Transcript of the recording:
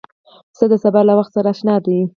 پسه د سبا له وخت سره اشنا دی.